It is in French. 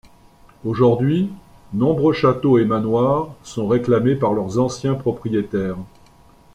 Aujourd'hui, nombreux châteaux et manoirs sont réclamés par leurs anciens propriétaires.